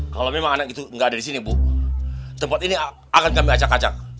kalau memang anak itu gak ada disini bu tempat ini akan kami acak acak